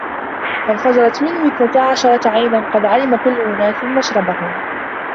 فَانْفَجَرَتْ مِنْهُ اثْنَتَا عَشْرَةَ عَيْنًا ۖ قَدْ عَلِمَ كُلُّ أُنَاسٍ مَشْرَبَهُمْ ۖ